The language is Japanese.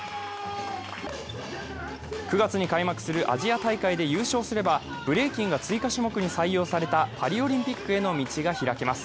９月に開幕するアジア大会で優勝すれば、ブレイキンが追加種目に採用されたパリオリンピックへの道が開けます。